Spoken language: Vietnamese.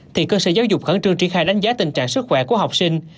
thì cơ sở giáo dục khẳng trương tri khai đánh giá tình trạng sức khỏe của học sinh